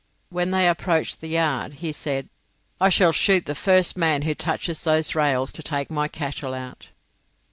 When they approached the yard he said: "I shall shoot the first man who touches those rails to take my cattle out."